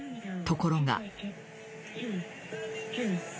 ところが。